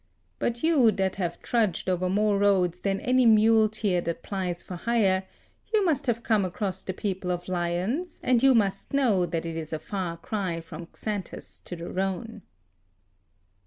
But you that have trudged over more roads than any muleteer that plies for hire, you must have come across the people of Lyons, and you must know that it is a far cry from Xanthus to the Rhone."